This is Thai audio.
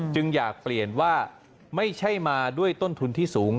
จึงอยากเปลี่ยนว่าไม่ใช่มาด้วยต้นทุนที่สูง